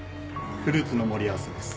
フルーツの盛り合わせです。